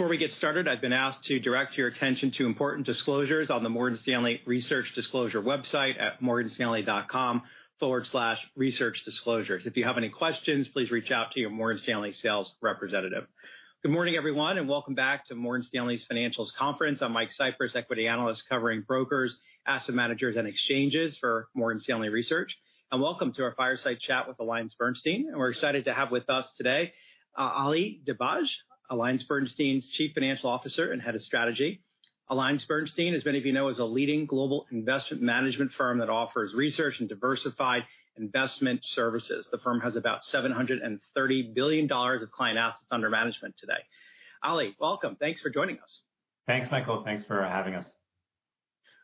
Before we get started, I've been asked to direct your attention to important disclosures on the Morgan Stanley research disclosure website morganstanley.com/researchdisclosures website. If you have any questions, please reach out to your Morgan Stanley sales representative. Good morning, everyone, and welcome back to Morgan Stanley's Financials Conference. I'm Mike Cyprys, equity analyst covering brokers, asset managers, and exchanges for Morgan Stanley Research. Welcome to our fireside chat with AllianceBernstein. We're excited to have with us today, Ali Dibadj, AllianceBernstein's Chief Financial Officer and Head of Strategy. AllianceBernstein, as many of you know, is a leading global investment management firm that offers research and diversified investment services. The firm has about $730 billions of client assets under management today. Ali, welcome. Thanks for joining us. Thanks, Michael. Thanks for having us.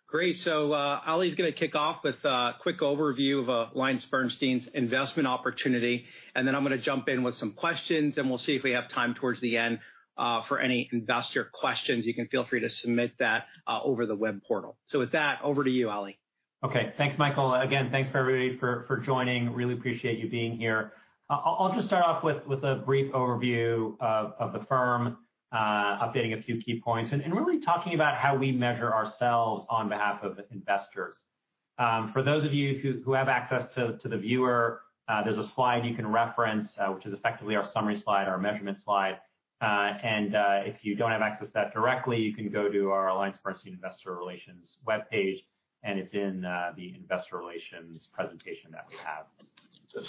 Great. Ali going to kick off with a quick overview of AllianceBernstein's investment opportunity, and then I'm going to jump in with some questions, and we'll see if we have time towards the end for any investor questions. You can feel free to submit that over the web portal. With that, over to you, Ali. Okay. Thanks, Michael. Again, thanks, everybody, for joining. Really appreciate you being here. I'll just start off with a brief overview of the firm, updating a few key points, and really talking about how we measure ourselves on behalf of investors. For those of you who have access to the viewer, there's a slide you can reference, which is effectively our summary slide, our measurement slide. If you don't have access to that directly, you can go to our AllianceBernstein Investor Relations webpage, and it's in the investor relations presentation that we have.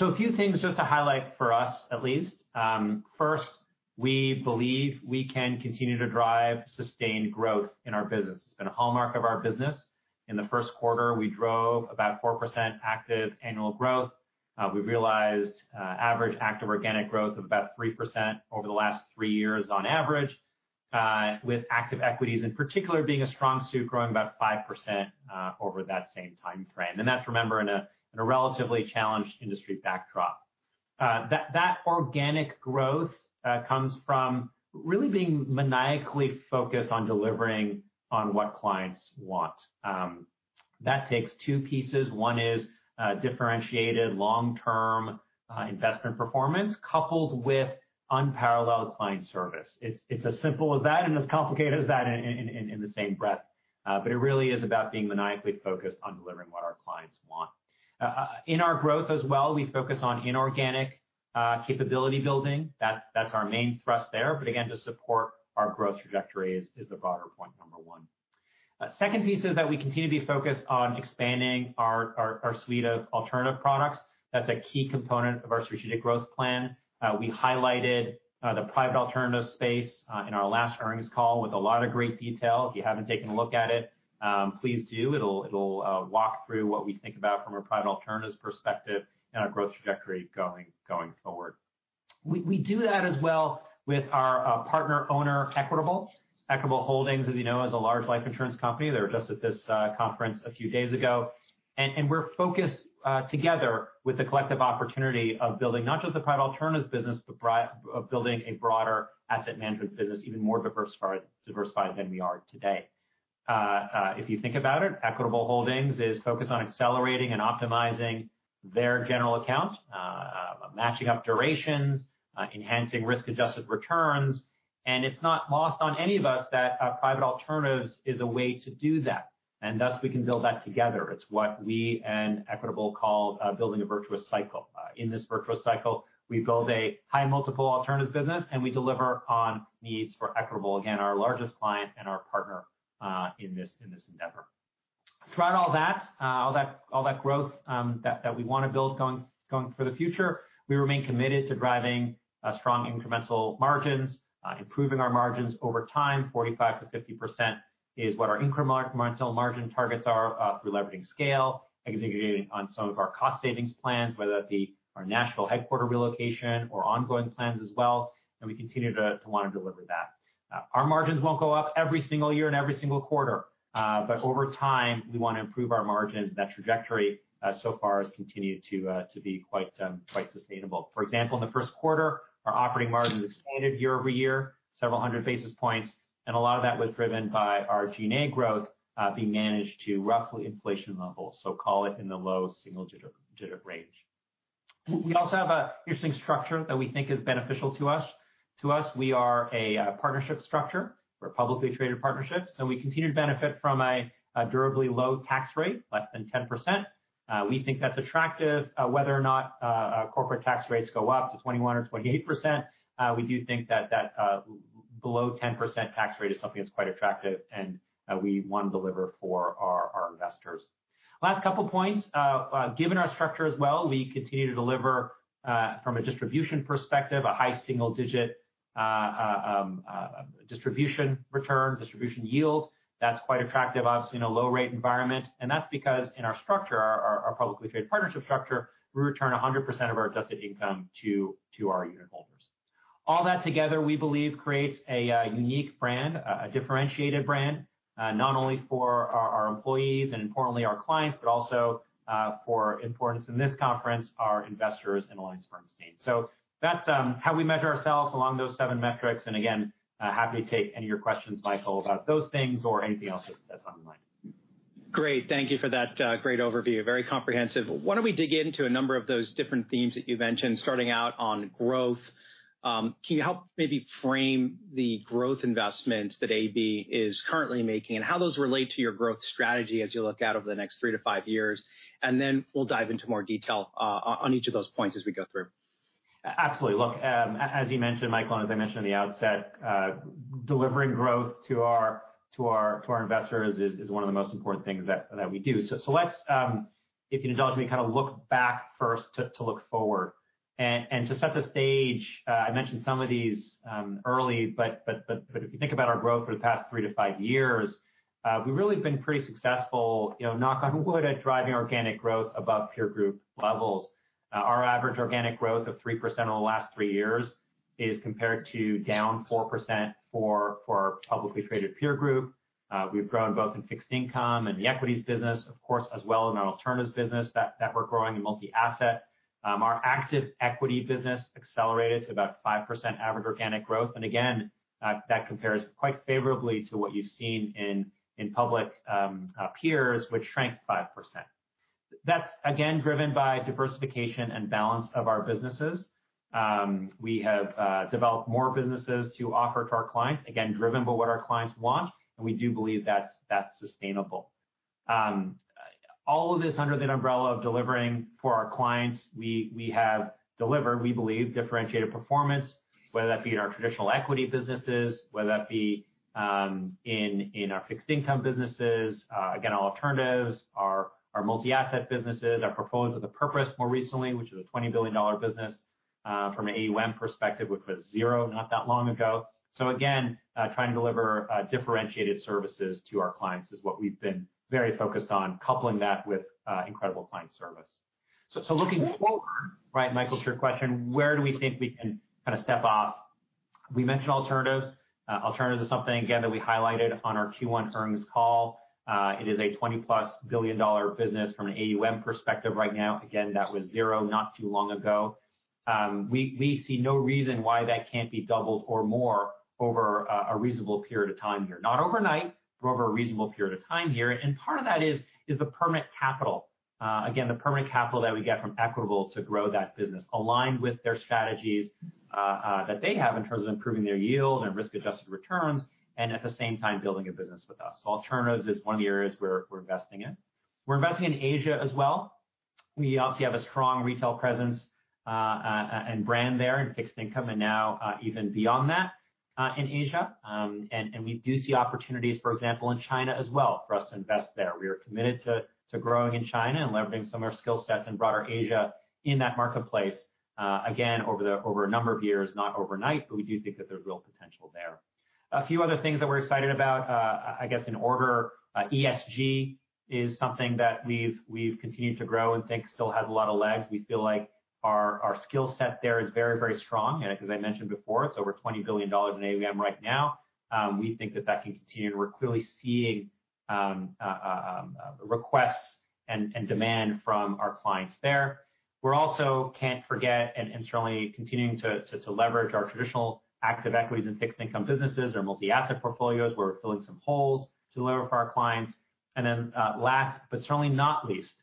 A few things just to highlight for us, at least. First, we believe we can continue to drive sustained growth in our business. It's been a hallmark of our business. In the first quarter, we drove about 4% active annual growth. We realized average active organic growth of about 3% over the last three years on average, with active equities in particular being a strong suit, growing about 5% over that same time frame. That's, remember, in a relatively challenged industry backdrop. That organic growth comes from really being maniacally focused on delivering on what clients want. That takes two pieces. One is differentiated long-term investment performance coupled with unparalleled client service. It's as simple as that and as complicated as that in the same breath. It really is about being maniacally focused on delivering what our clients want. In our growth as well, we focus on inorganic capability building. That's our main thrust there. Again, to support our growth trajectories is the barter point number one. Second piece is that we continue to be focused on expanding our suite of alternative products. That's a key component of our strategic growth plan. We highlighted the private alternatives space in our last earnings call with a lot of great detail. If you haven't taken a look at it, please do. It'll walk through what we think about from a private alternatives perspective and our growth trajectory going forward. We do that as well with our partner owner, Equitable. Equitable Holdings, as you know, is a large life insurance company. They were just at this Conference a few days ago. We're focused together with the collective opportunity of building not just a private alternatives business, but of building a broader asset management business, even more diversified than we are today. If you think about it, Equitable Holdings is focused on accelerating and optimizing their general account, matching up durations, enhancing risk-adjusted returns. It's not lost on any of us that private alternatives is a way to do that. Thus we can build that together. It's what we and Equitable call building a virtuous cycle. In this virtuous cycle, we build a high multiple alternatives business, and we deliver on needs for Equitable, again, our largest client and our partner in this endeavor. Throughout all that growth that we want to build going for the future, we remain committed to driving strong incremental margins, improving our margins over time. 45%-50% is what our incremental margin targets are through leveraging scale, executing on some of our cost savings plans, whether that be our national headquarter relocation or ongoing plans as well, and we continue to want to deliver that. Our margins won't go up every single year and every single quarter. Over time, we want to improve our margins, that trajectory so far has continued to be quite sustainable. For example, in the first quarter, our operating margins expanded year-over-year several hundred basis points, and a lot of that was driven by our G&A growth being managed to roughly inflation levels. Call it in the low single-digit range. We also have an interesting structure that we think is beneficial to us. We are a partnership structure. We're a publicly traded partnership, so we continue to benefit from a durably low tax rate, less than 10%. We think that's attractive. Whether or not corporate tax rates go up to 21% or 28%, we do think that below 10% tax rate is something that's quite attractive, and we want to deliver for our investors. Last couple of points. Given our structure as well, we continue to deliver from a distribution perspective, a high single-digit distribution return, distribution yield. That's quite attractive, obviously, in a low-rate environment. That's because in our structure, our publicly traded partnership structure, we return 100% of our adjusted income to our unit holders. All that together, we believe, creates a unique brand, a differentiated brand, not only for our employees and importantly our clients, but also for importance in this conference, our investors in AllianceBernstein. That's how we measure ourselves along those seven metrics, and again, happy to take any of your questions, Michael, about those things or anything else that's on your mind. Great. Thank you for that great overview. Very comprehensive. Why don't we dig into a number of those different themes that you mentioned, starting out on growth. Can you help maybe frame the growth investments that AB is currently making and how those relate to your growth strategy as you look out over the next 3-5 years? We'll dive into more detail on each of those points as we go through. Absolutely. Look, as you mentioned, Michael, as I mentioned at the outset, delivering growth to our investors is one of the most important things that we do. Let's, if you indulge me, look back first to look forward. To set the stage, I mentioned some of these early, but if you think about our growth for the past 3-5 years, we've really been pretty successful, knock on wood, at driving organic growth above peer group levels. Our average organic growth of 3% over the last 3 years is compared to down 4% for our publicly traded peer group. We've grown both in fixed income and the equities business, of course, as well in our alternatives business that we're growing in multi-asset. Our active equity business accelerated to about 5% average organic growth. Again, that compares quite favorably to what you've seen in public peers, which shrank 5%. That's again, driven by diversification and balance of our businesses. We have developed more businesses to offer to our clients, again, driven by what our clients want, and we do believe that's sustainable. All of this under the umbrella of delivering for our clients. We have delivered, we believe, differentiated performance, whether that be our traditional equity businesses, whether that be in our fixed income businesses. Again, our alternatives, our multi-asset businesses, our Portfolios with a Purpose more recently, which is a $20 billion business, from an AUM perspective, which was zero not that long ago. Again, trying to deliver differentiated services to our clients is what we've been very focused on, coupling that with incredible client service. Looking forward, Michael, to your question, where do we think we can step off? We mentioned alternatives. Alternatives is something, again, that we highlighted on our Q1 earnings call. It is a $20+ billion business from an AUM perspective right now. Again, that was zero not too long ago. We see no reason why that can't be doubled or more over a reasonable period of time here. Not overnight, but over a reasonable period of time here. Part of that is the permanent capital. Again, the permanent capital that we get from Equitable to grow that business, aligned with their strategies that they have in terms of improving their yield and risk-adjusted returns, and at the same time, building a business with us. Alternatives is one area we're investing in. We're investing in Asia as well. We also have a strong retail presence and brand there in fixed income and now even beyond that in Asia. We do see opportunities, for example, in China as well for us to invest there. We are committed to growing in China and leveraging some of our skill sets in broader Asia in that marketplace, again, over a number of years, not overnight, but we do think that there's real potential there. A few other things that we're excited about, I guess in order, ESG is something that we've continued to grow and think still have a lot of legs. We feel like our skill set there is very strong. As I mentioned before, it's over $20 billion in AUM right now. We think that can continue. We're clearly seeing requests and demand from our clients there. We also can't forget and certainly continuing to leverage our traditional active equities and fixed income businesses, our multi-asset portfolios. We're filling some holes to deliver for our clients. Then last, but certainly not least,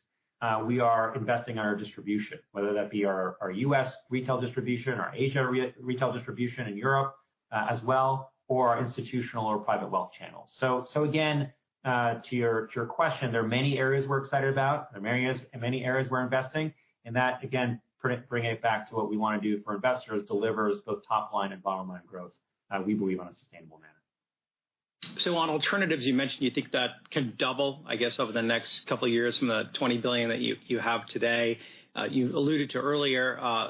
we are investing in our distribution, whether that be our U.S. retail distribution, our Asia retail distribution, in Europe as well, or our institutional or private wealth channels. Again, to your question, there are many areas we're excited about. There are many areas we're investing in. That, again, bringing it back to what we want to do for investors, delivers both top-line and bottom-line growth, we believe, in a sustainable manner. On alternatives, you mentioned you think that can double, I guess, over the next couple of years from the $20 billion that you have today. You alluded to earlier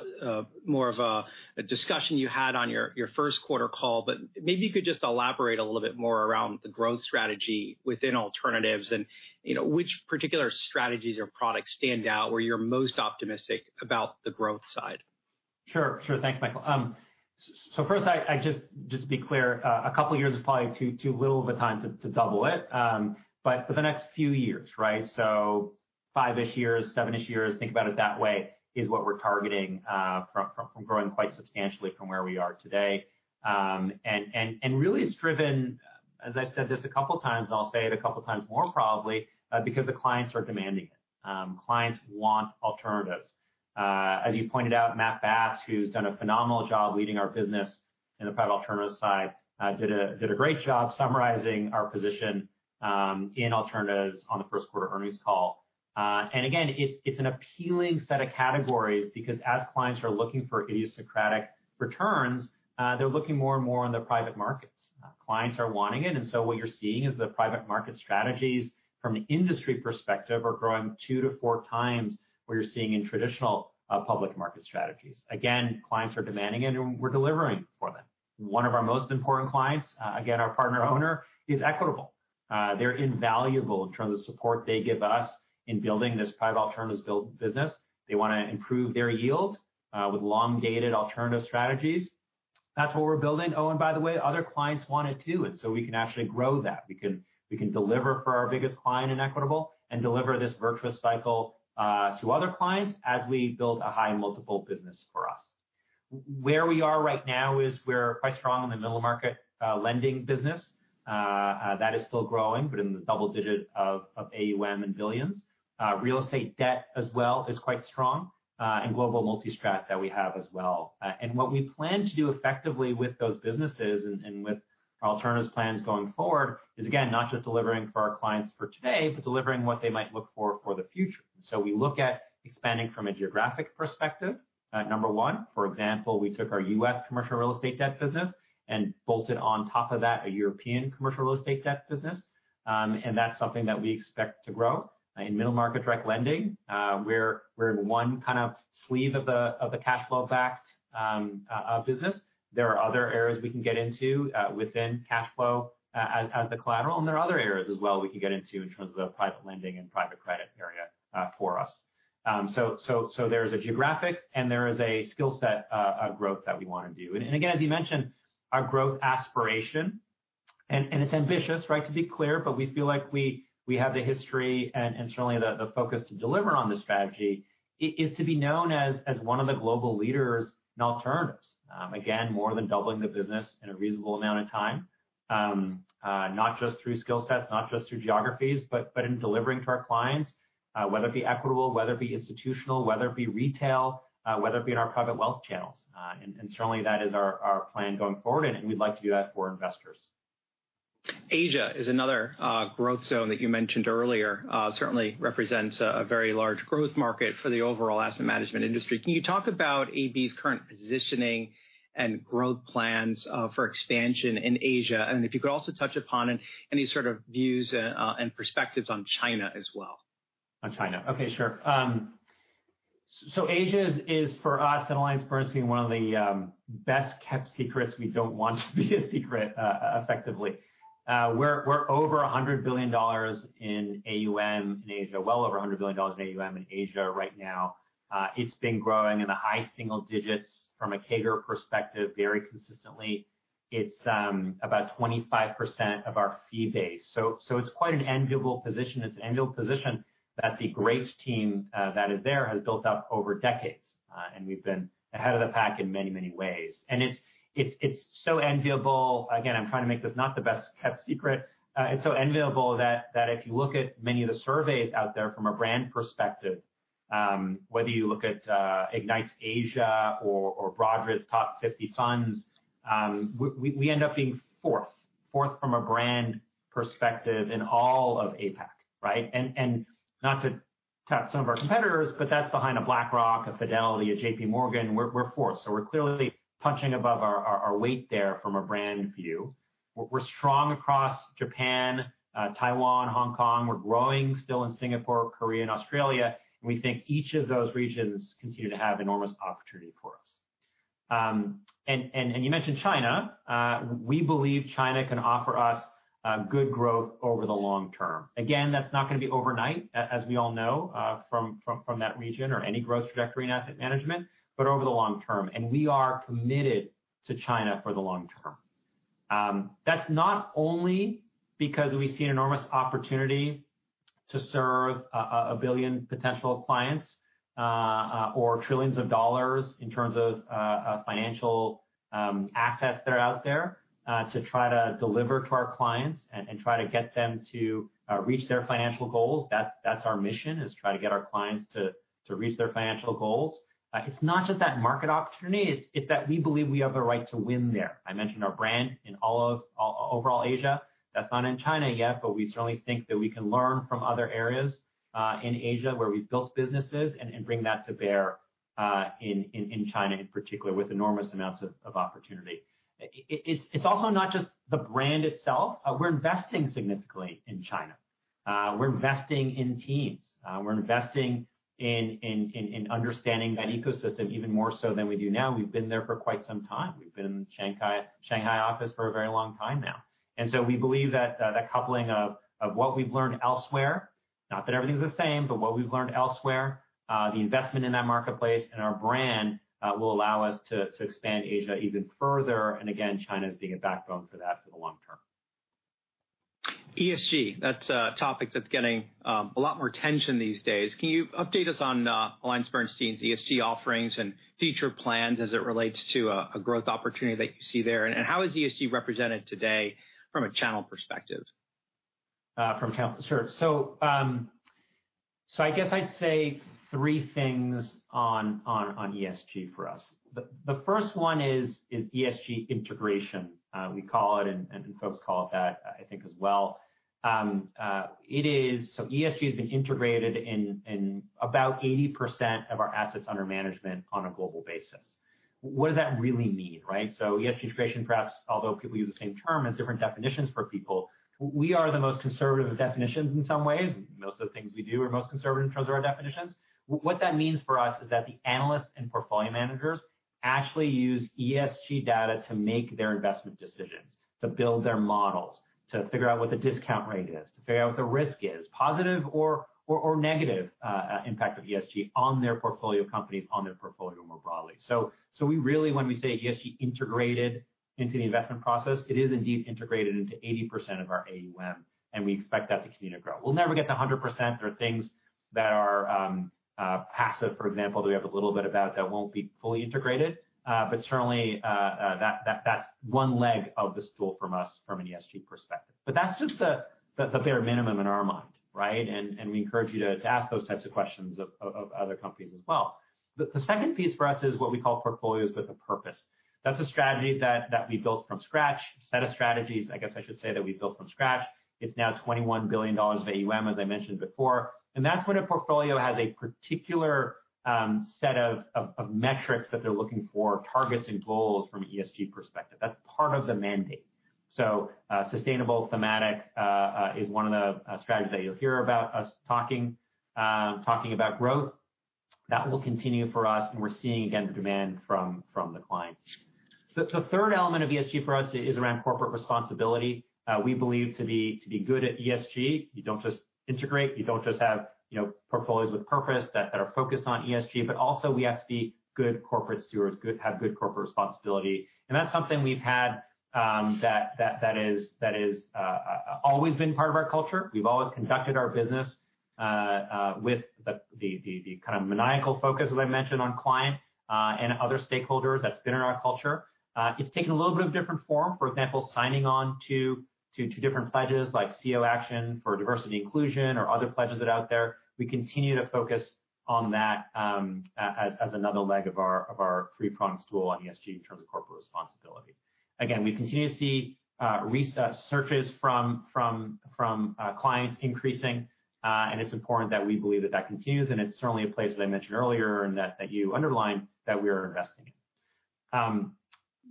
more of a discussion you had on your first quarter call, but maybe you could just elaborate a little bit more around the growth strategy within alternatives and which particular strategies or products stand out where you're most optimistic about the growth side? Sure. Thanks, Michael. First, just to be clear, a couple of years is probably too little of a time to double it, but the next few years. 5-ish years, 7-ish years, think about it that way, is what we're targeting from growing quite substantially from where we are today. Really it's driven, as I said this a couple of times, I'll say it a couple of times more probably, because the clients are demanding it. Clients want alternatives. As you pointed out, Matthew Bass, who's done a phenomenal job leading our business in the private alternatives side, did a great job summarizing our position in alternatives on the first quarter earnings call. Again, it's an appealing set of categories because as clients are looking for idiosyncratic returns, they're looking more and more in the private markets. Clients are wanting it, and so what you're seeing is the private market strategies from an industry perspective are growing 2x-4x what you're seeing in traditional public market strategies. Again, clients are demanding it and we're delivering for them. One of our most important clients, again, our partner owner, is Equitable. They're invaluable in terms of support they give us in building this private alternatives business. They want to improve their yield with long-dated alternative strategies. That's what we're building. By the way, other clients want it too, and so we can actually grow that. We can deliver for our biggest client in Equitable and deliver this virtuous cycle to other clients as we build a high multiple business for us. Where we are right now is we're quite strong in the middle market lending business. That is still growing, but in the double-digit of AUM in billions. Real estate debt as well is quite strong, and global multi-strat that we have as well. What we plan to do effectively with those businesses and with alternatives plans going forward is, again, not just delivering for our clients for today, but delivering what they might look for for the future. We look at expanding from a geographic perspective, number one. For example, we took our U.S. commercial real estate debt business and bolted on top of that a European commercial real estate debt business, and that's something that we expect to grow. In middle market direct lending, we're in one kind of sleeve of the cash flow backed business. There are other areas we can get into within cash flow as the collateral. There are other areas as well we can get into in terms of the private lending and private credit area for us. There's a geographic and there is a skill set growth that we want to do. Again, as you mentioned, our growth aspiration. It's ambitious, to be clear. We feel like we have the history and certainly the focus to deliver on the strategy is to be known as one of the global leaders in alternatives. Again, more than doubling the business in a reasonable amount of time. Not just through skill sets, not just through geographies, in delivering to our clients, whether it be Equitable, whether it be institutional, whether it be retail, whether it be our private wealth channels. Certainly, that is our plan going forward, and we'd like to do that for investors. Asia is another growth zone that you mentioned earlier. Certainly represents a very large growth market for the overall asset management industry. Can you talk about AB's current positioning and growth plans for expansion in Asia? If you could also touch upon any sort of views and perspectives on China as well. On China. Okay, sure. Asia is for us at AllianceBernstein, one of the best-kept secrets we don't want to be a secret, effectively. We're over $100 billion in AUM in Asia, well over $100 billion in AUM in Asia right now. It's been growing in the high single digits from a CAGR perspective very consistently. It's about 25% of our fee base. It's quite an enviable position. It's an enviable position that the great team that is there has built up over decades. We've been ahead of the pack in many ways. It's so enviable. Again, I'm trying to make this not the best-kept secret. It's so enviable that if you look at many of the surveys out there from a brand perspective, whether you look at Ignites Asia or Broadridge FundBrand 50, we end up being fourth from a brand perspective in all of APAC, right? Not to tap some of our competitors, but that's behind a BlackRock, a Fidelity, a JPMorgan. We're fourth. We're clearly punching above our weight there from a brand view. We're strong across Japan, Taiwan, Hong Kong. We're growing still in Singapore, Korea, and Australia, and we think each of those regions continue to have enormous opportunity for us. You mentioned China. We believe China can offer us good growth over the long term. Again, that's not going to be overnight, as we all know from that region or any growth trajectory in asset management, but over the long term. We are committed to China for the long term. That's not only because we see enormous opportunity to serve 1 billion potential clients or trillions of dollars in terms of financial assets that are out there to try to deliver to our clients and try to get them to reach their financial goals. That's our mission is try to get our clients to reach their financial goals. It's not just that market opportunity. It's that we believe we have the right to win there. I mentioned our brand in overall Asia. That's not in China yet, but we certainly think that we can learn from other areas in Asia where we've built businesses and bring that to bear in China in particular with enormous amounts of opportunity. It's also not just the brand itself. We're investing significantly in China. We're investing in teams. We're investing in understanding that ecosystem even more so than we do now. We've been there for quite some time. We've been in Shanghai office for a very long time now. We believe that a coupling of what we've learned elsewhere, not that everything's the same, but what we've learned elsewhere, the investment in that marketplace, and our brand will allow us to expand Asia even further, and again, China as being a backbone for that for the long term. ESG, that's a topic that's getting a lot more attention these days. Can you update us on AllianceBernstein's ESG offerings and future plans as it relates to a growth opportunity that you see there, and how is ESG represented today from a channel perspective? From a channel perspective. I guess I'd say three things on ESG for us. The first one is ESG integration, we call it, and folks call it that I think as well. ESG has been integrated in about 80% of our assets under management on a global basis. What does that really mean? ESG integration, perhaps although people use the same term, has different definitions for people. We are the most conservative with definitions in some ways. Most of the things we do are most conservative in terms of our definitions. What that means for us is that the analysts and portfolio managers actually use ESG data to make their investment decisions, to build their models, to figure out what the discount rate is, to figure out what the risk is, positive or negative impact of ESG on their portfolio companies, on their portfolio more broadly. We really when we say ESG integrated into the investment process, it is indeed integrated into 80% of our AUM, and we expect that to continue to grow. We'll never get to 100% for things that are passive, for example, that we have a little bit about that won't be fully integrated. Certainly, that's one leg of the stool from us from an ESG perspective. That's just the bare minimum in our mind, right? We encourage you to ask those types of questions of other companies as well. The second piece for us is what we call Portfolios with a Purpose. That's a strategy that we built from scratch, a set of strategies, I guess I should say, that we built from scratch. It's now $21 billion of AUM, as I mentioned before, and that's when a portfolio has a particular set of metrics that they're looking for, targets and goals from an ESG perspective. That's part of the mandate. Sustainable Thematic is one of the strategies that you'll hear about us talking about growth. That will continue for us, and we're seeing, again, demand from the clients. The third element of ESG for us is around corporate responsibility. We believe to be good at ESG, you don't just integrate, you don't just have Portfolios with a Purpose that are focused on ESG, but also we have to be good corporate stewards, have good corporate responsibility. That's something we've had that has always been part of our culture. We've always conducted our business with the maniacal focus, as I mentioned, on client and other stakeholders. That's been in our culture. It's taken a little bit of different form. For example, signing on to different pledges like CEO Action for Diversity & Inclusion or other pledges that are out there. We continue to focus on that as another leg of our three-pronged stool on ESG in terms of corporate responsibility. We continue to see research searches from clients increasing. It's important that we believe that that continues. It's certainly a place I mentioned earlier and that you underlined that we are investing in.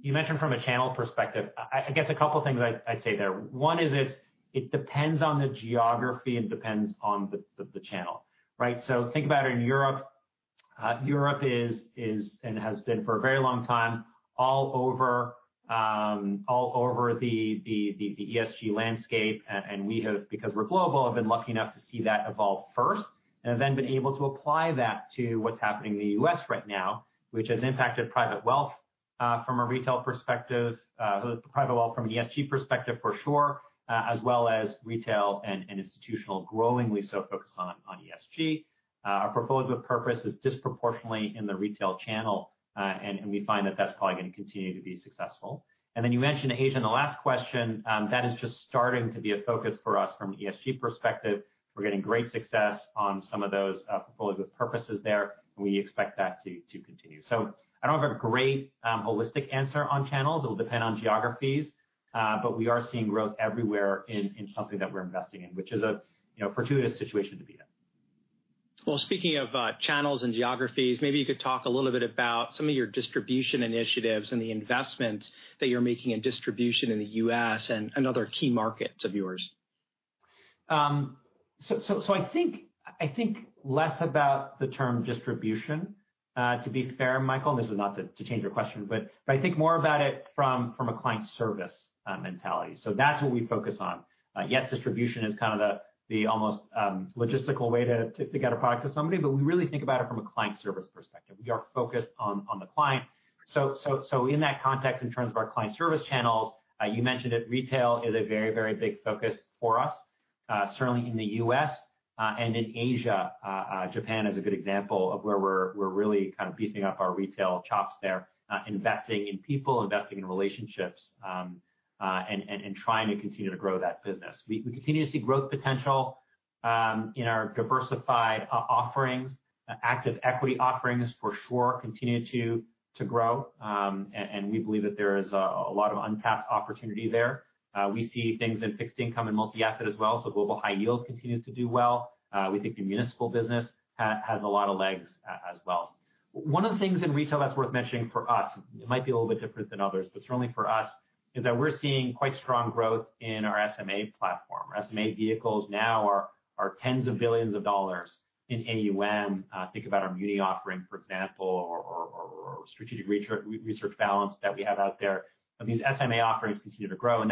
You mentioned from a channel perspective. I guess couple of things I'd say there. One is it depends on the geography and depends on the channel, right? Think about in Europe. Europe is, and has been for a very long time, all over the ESG landscape. We have, because we're global, have been lucky enough to see that evolve first and have then been able to apply that to what's happening in the U.S. right now, which has impacted Private wealth from a retail perspective, from an ESG perspective for sure, as well as retail and institutional growing. We're so focused on ESG. Our Portfolios with Purpose is disproportionately in the retail channel, and we find that that's probably going to continue to be successful. Then you mentioned Asia in the last question. That is just starting to be a focus for us from an ESG perspective. We're getting great success on some of those Portfolios with Purposes there, and we expect that to continue. I don't have a great holistic answer on channels. It'll depend on geographies, but we are seeing growth everywhere in something that we're investing in, which is a fortuitous situation to be in. Well, speaking of channels and geographies, maybe you could talk a little bit about some of your distribution initiatives and the investments that you're making in distribution in the U.S. and other key markets of yours? I think less about the term distribution, to be fair, Michael, and this is not to change your question, but I think more about it from a client service mentality. That's what we focus on. Yes, distribution is kind of the almost logistical way to get a product to somebody, but we really think about it from a client service perspective. We are focused on the client. In that context, in terms of our client service channels, you mentioned that retail is a very, very big focus for us, certainly in the U.S. and in Asia. Japan is a good example of where we're really kind of beefing up our retail chops there, investing in people, investing in relationships, and trying to continue to grow that business. We continue to see growth potential in our diversified offerings. Active equity offerings for sure continue to grow. We believe that there is a lot of untapped opportunity there. We see things in fixed income and multi-asset as well. Global High Yield continues to do well. We think the municipal business has a lot of legs as well. One of the things in retail that's worth mentioning for us, it might be a little bit different than others, but certainly for us, is that we're seeing quite strong growth in our SMA platform. SMA vehicles now are tens of billions of dollars in AUM. Think about our muni offering, for example, or strategic research balance that we have out there. These SMA offerings continue to grow, and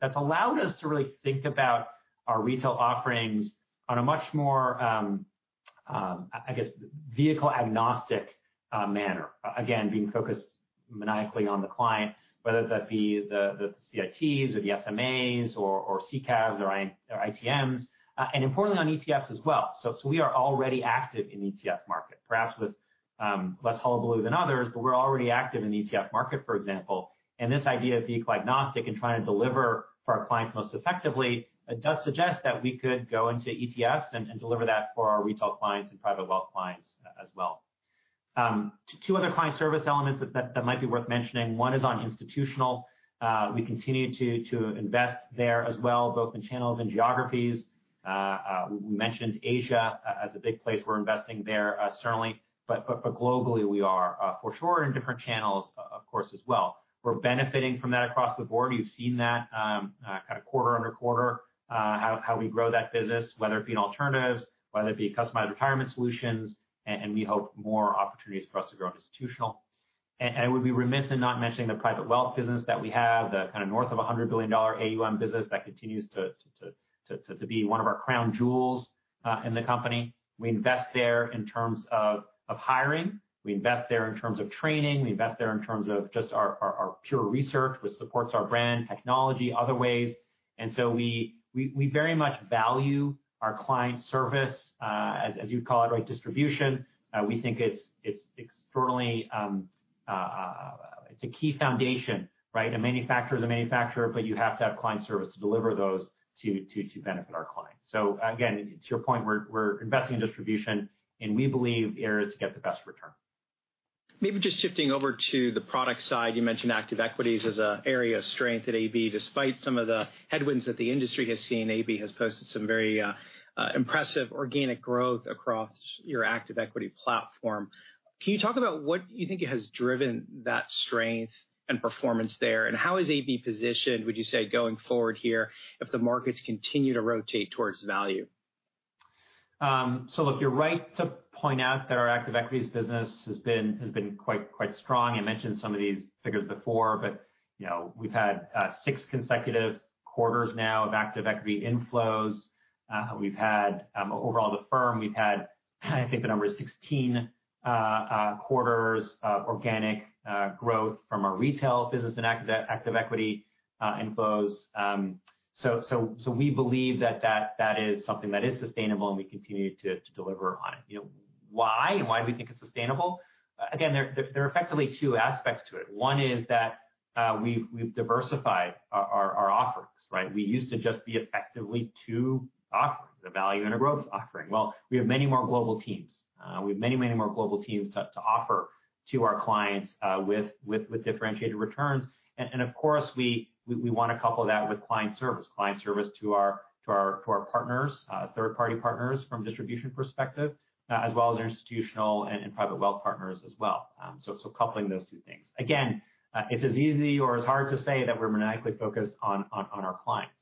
that's allowed us to really think about our retail offerings on a much more, I guess, vehicle-agnostic manner. Again, being focused maniacally on the client, whether that be the CITs or the SMAs or C or ITMs, and importantly on ETFs as well. We are already active in the ETF market, perhaps with less hullabaloo than others, but we're already active in the ETF market, for example, and this idea of being quite agnostic and trying to deliver for our clients most effectively, it does suggest that we could go into ETFs and deliver that for our retail clients and private wealth clients as well. Two other client service elements that might be worth mentioning. One is on institutional. We continue to invest there as well, both in channels and geographies. We mentioned Asia as a big place. We're investing there, certainly, but globally, we are for sure in different channels, of course, as well. We're benefiting from that across the board. You've seen that kind of quarter-on-quarter how we grow that business, whether it be in alternatives, whether it be customized retirement solutions, and we hope more opportunities for us to grow institutional. We'd be remiss in not mentioning the private wealth business that we have, the kind of north of $100 billion AUM business that continues to be one of our crown jewels in the company. We invest there in terms of hiring. We invest there in terms of training. We invest there in terms of just our pure research, which supports our brand, technology, other ways. We very much value our client service, as you call it, right, distribution. We think it's a key foundation, right? A manufacturer's a manufacturer, but you have to have client service to deliver those to benefit our clients. Again, to your point, we're investing in distribution, and we believe areas to get the best return. Maybe just shifting over to the product side, you mentioned active equities as an area of strength at AB. Despite some of the headwinds that the industry has seen, AB has posted some very impressive organic growth across your active equity platform. Can you talk about what you think has driven that strength and performance there, and how is AB positioned, would you say, going forward here, if the markets continue to rotate towards value? Look, you're right to point out there, active equities business has been quite strong. I mentioned some of these figures before, we've had six consecutive quarters now of active equity inflows. Overall at the firm, we've had, I think the number is 16 quarters of organic growth from our retail business and active equity inflows. We believe that is something that is sustainable, and we continue to deliver on. Why, why we think it's sustainable? Again, there are effectively two aspects to it. One is that we've diversified our offerings. We used to just be effectively two offerings, a value and a growth offering. Well, we have many more global teams. We have many more global teams to offer to our clients with differentiated returns. Of course, we want to couple that with client service. Client service to our partners, third-party partners from a distribution perspective, as well as institutional and private wealth partners as well. Coupling those two things. Again, it's as easy or as hard to say that we're maniacally focused on our clients.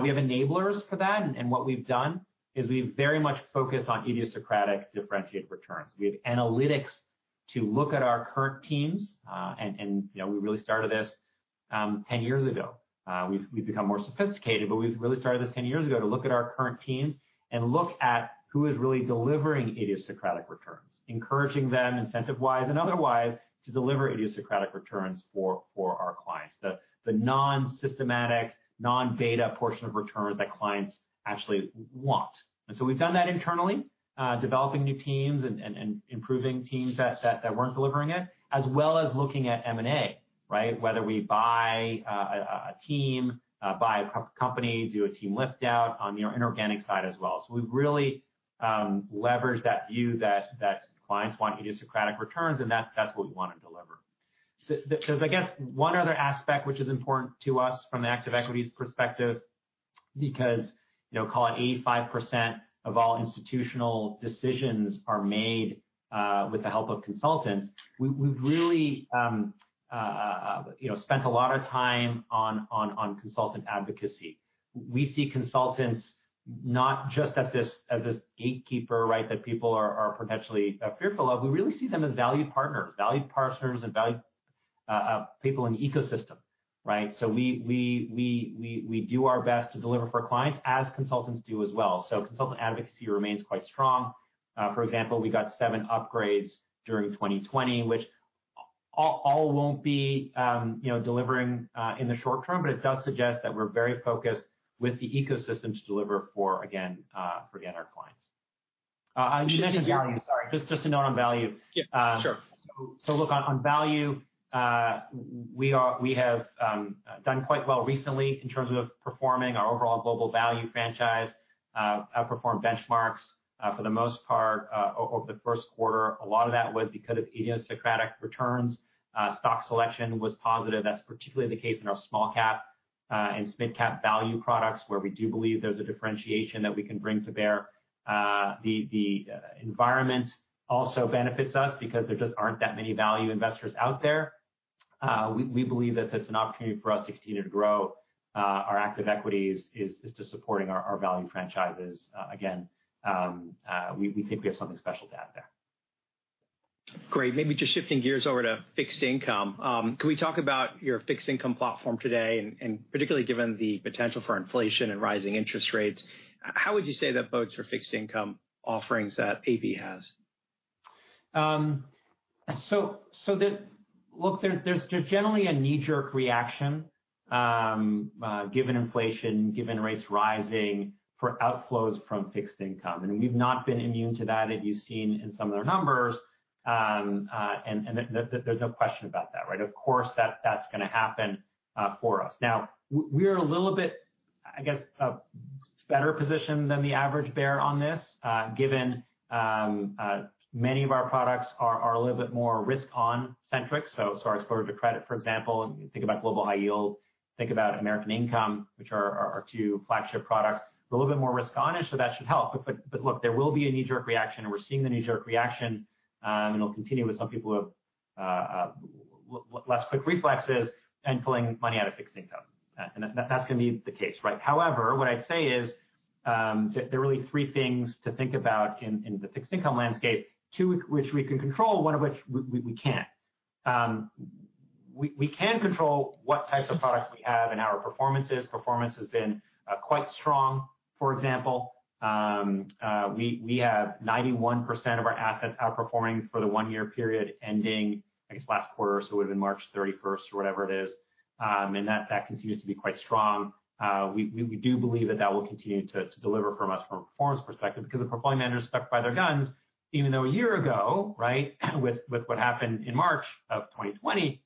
We have enablers for that. What we've done is we've very much focused on idiosyncratic differentiated returns. We have analytics to look at our current teams. We really started this 10 years ago. We've become more sophisticated. We really started this 10 years ago to look at our current teams and look at who is really delivering idiosyncratic returns, encouraging them incentive-wise and otherwise to deliver idiosyncratic returns for our clients. The non-systematic, non-beta portion of returns that clients actually want. We've done that internally, developing new teams and improving teams that weren't delivering it, as well as looking at M&A. Whether we buy a team, buy a company, do a team lift-out on the inorganic side as well. We've really leveraged that view that clients want idiosyncratic returns, and that's what we want to deliver. I guess one other aspect which is important to us from an active equities' perspective, because call it 85% of all institutional decisions are made with the help of consultants, we've really spent a lot of time on consultant advocacy. We see consultants not just as this gatekeeper that people are potentially fearful of. We really see them as value partners, value partners and value people in the ecosystem. We do our best to deliver for clients as consultants do as well. Consultant advocacy remains quite strong. For example, we got seven upgrades during 2020, which all won't be delivering in the short term, but it does suggest that we're very focused with the ecosystem to deliver for, again, our clients. Just on value Just a note on value. Yeah. Sure. Look, on value, we have done quite well recently in terms of performing our overall global value franchise, outperformed benchmarks for the most part over the first quarter. A lot of that was because of idiosyncratic returns. Stock selection was positive. That's particularly the case in our small cap and mid cap value products where we do believe there's a differentiation that we can bring to bear. The environment also benefits us because there just aren't that many value investors out there. We believe that that's an opportunity for us to continue to grow our active equities is to supporting our value franchises. Again, we think we have something special to add there. Great. Maybe just shifting gears over to fixed income. Can we talk about your fixed income platform today, and particularly given the potential for inflation and rising interest rates, how would you say that bodes for fixed income offerings that AB has? Look, there's generally a knee-jerk reaction given inflation, given rates rising for outflows from fixed income. We've not been immune to that, as you've seen in some of our numbers, and there's no question about that. Of course, that's going to happen for us. We are in a little bit, I guess, a better position than the average bear on this, given many of our products are a little bit more risk-on centric, so our exposure to credit, for example, think about Global High Yield, think about American Income, which are our two flagship products. A little bit more risk on, so that should help. Look, there will be a knee-jerk reaction. We're seeing the knee-jerk reaction, and it'll continue with some people who have less quick reflexes and pulling money out of fixed income. That's going to be the case. However, what I'd say is that there are really three things to think about in the fixed income landscape, two of which we can control, one of which we can't. We can control what type of products we have and our performances. Performance has been quite strong. For example, we have 91% of our assets outperforming for the one-year period ending, I guess, last quarter, so it would've been March 31st or whatever it is. That continues to be quite strong. We do believe that that will continue to deliver from us from a performance perspective because the performing managers stuck by their guns, even though a year ago, with what happened in March of 2020.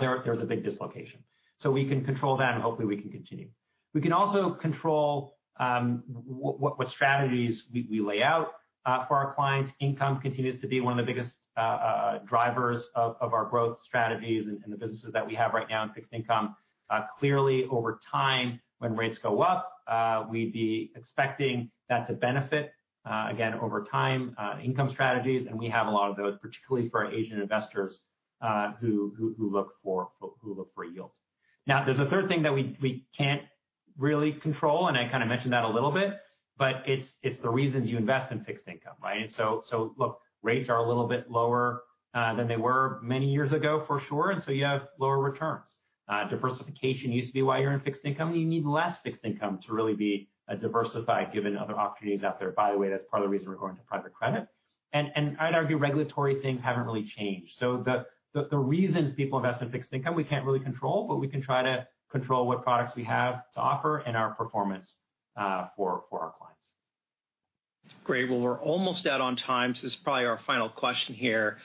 There's a big dislocation. We can control that. Hopefully we can continue. We can also control what strategies we lay out for our clients. Income continues to be one of the biggest drivers of our growth strategies and the businesses that we have right now in fixed income. Clearly, over time, when rates go up, we'd be expecting that to benefit, again, over time, income strategies, and we have a lot of those, particularly for our Asian investors who look for yield. There's a third thing that we can't really control, and I kind of mentioned that a little bit, but it's the reasons you invest in fixed income. Right? Look, rates are a little bit lower than they were many years ago, for sure, and so you have lower returns. Diversification used to be why you're in fixed income. You need less fixed income to really be diversified given other opportunities out there. By the way, that's part of the reason we're going to private credit. I'd argue regulatory things haven't really changed. The reasons people invest in fixed income, we can't really control, but we can try to control what products we have to offer and our performance for our clients. Great. Well, we're almost out on time. This is probably our final question here.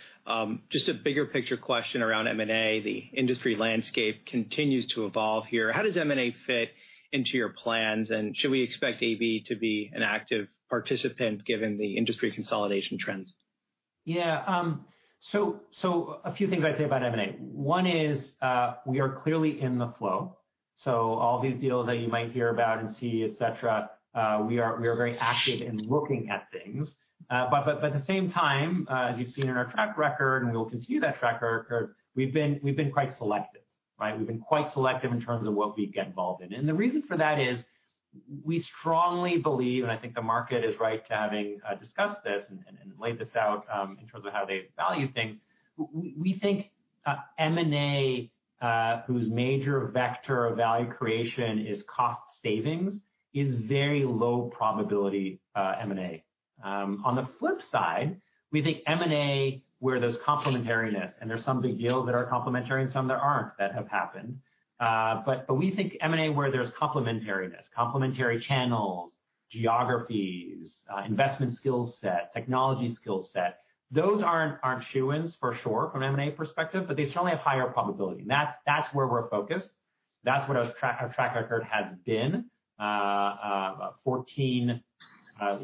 Just a bigger picture question around M&A. The industry landscape continues to evolve here. How does M&A fit into your plans? Should we expect AB to be an active participant given the industry consolidation trends? Yeah. A few things I'd say about M&A. One is, we are clearly in the flow. All these deals that you might hear about and see, et cetera, we are very active in looking at things. At the same time, as you've seen in our track record, and we will continue that track record, we've been quite selective. Right. We've been quite selective in terms of what we get involved in. The reason for that is we strongly believe, and I think the market is right to having discussed this and laid this out, in terms of how they value things. We think M&A, whose major vector of value creation is cost savings, is very low probability M&A. On the flip side, we think M&A, where there's complementariness, and there's some big deals that are complementary and some that aren't that have happened. We think M&A, where there's complementariness, complementary channels, geographies, investment skill set, technology skill set. Those aren't shoo-ins for sure from an M&A perspective, but they certainly have higher probability, and that's where we're focused. That's what our track record has been. 14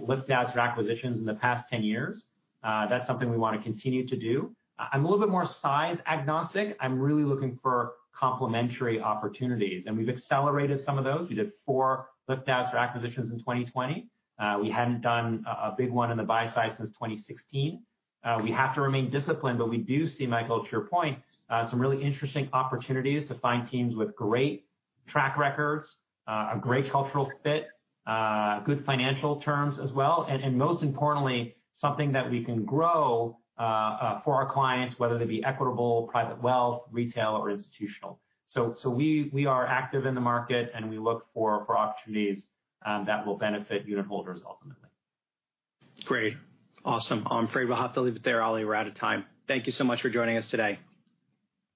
lift-outs or acquisitions in the past 10 years. That's something we want to continue to do. I'm a little bit more size-agnostic. I'm really looking for complementary opportunities, and we've accelerated some of those. We did 4 lift-outs or acquisitions in 2020. We hadn't done a big one in the buy side since 2016. We have to remain disciplined, but we do see, Michael, to your point, some really interesting opportunities to find teams with great track records, a great cultural fit, good financial terms as well, and most importantly, something that we can grow for our clients, whether they be Equitable, private wealth, retail, or institutional. We are active in the market, and we look for opportunities that will benefit unitholders ultimately. Great. Awesome. I'm afraid we'll have to leave it there, Ali. We're out of time. Thank you so much for joining us today.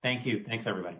Thank you. Thanks, everybody.